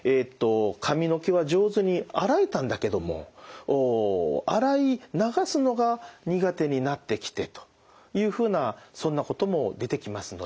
髪の毛は上手に洗えたんだけども洗い流すのが苦手になってきてというふうなそんなことも出てきますので。